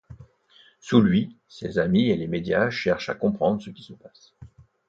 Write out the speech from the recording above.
Sous lui, ses amis et les médias cherchent à comprendre ce qui se passe.